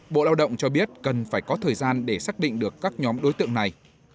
bộ lao động cho biết cần phải có thời gian để xác định được các nhóm đối tượng này